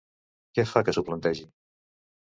Què fa que s'ho plantegi?